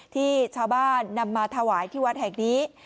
ที่ชาวบ้านนำมาถวายที่วัดแห่งนี้